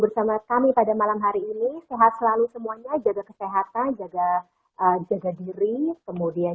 bersama kami pada malam hari ini sehat selalu semuanya jaga kesehatan jaga jaga diri kemudian